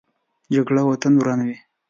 جګړه وطن ورانوي